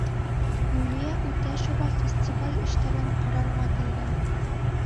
Юлиә ҮТӘШЕВА, фестиваль эштәрен ҡарарға килгән: